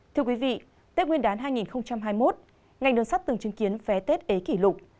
thưa quý vị tết nguyên đán hai nghìn hai mươi một ngành đường sắt từng chứng kiến vé tết ế kỷ lục